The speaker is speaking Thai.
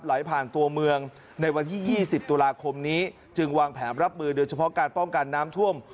ไหลผ่านตัวเมืองในวันที่๒๐ตุลาคมนี้จึงวางแผนรับมือโดยเฉพาะการป้องกันน้ำท่วม